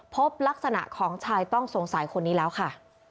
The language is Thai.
พบลักษณะของชายต้องสงสัยคนนี้แล้วค่ะ